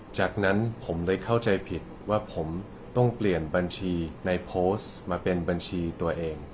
จากนั้นผมเลยเข้าใจผิดว่าผมต้องเปลี่ยนบัญชีในโพสต์มาเป็นบัญชีตัวเอง